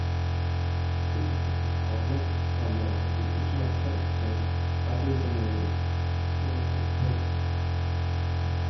This assistant, however, John Milk, is a fictional character rather than a historical person.